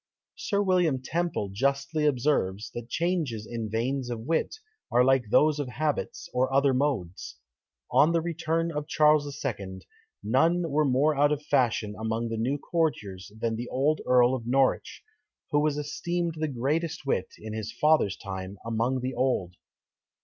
Sir William Temple justly observes, that changes in veins of wit are like those of habits, or other modes. On the return of Charles II., none were more out of fashion among the new courtiers than the old Earl of Norwich, who was esteemed the greatest wit, in his father's time, among the old.